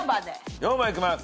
４番いきます。